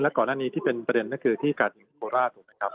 และก่อนหน้านี้ที่เป็นประเด็นนั้นคือที่กัดโปรราศ